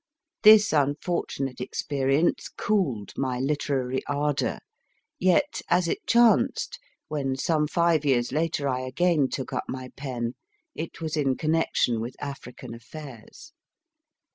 138 MY FIRST BOOK This unfortunate experience cooled my literary ardour, yet, as it chanced, when some five years later I again took up my pen, it was in connection with African affairs.